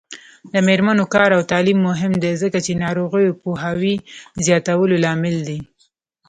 د میرمنو کار او تعلیم مهم دی ځکه چې ناروغیو پوهاوي زیاتولو لامل دی.